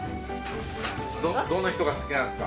どんな人が好きなんですか。